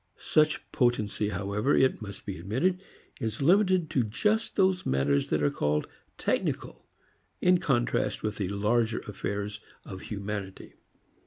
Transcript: Such potency however, it must be admitted, is limited to just those matters that are called technical in contrast with the larger affairs of humanity.